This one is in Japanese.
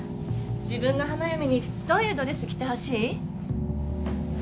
自分の花嫁にどういうドレス着てほしい？